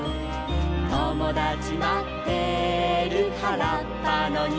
「ともだちまってるはらっぱのにおい」